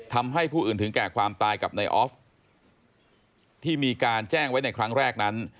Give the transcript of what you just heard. ทำให้ผู้อื่นถึงแก่ความตายกับนายออฟที่มีการแจ้งไว้ในครั้งแรกนั้น